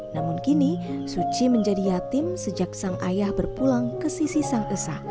namun kini suci menjadi yatim sejak sang ayah berpulang ke sisi sang esa